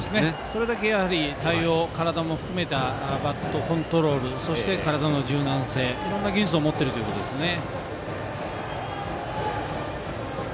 それだけ対応、体も含めたバットコントロールそして体の柔軟性いろんな技術を持っているということですね。